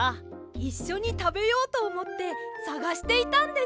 いっしょにたべようとおもってさがしていたんです。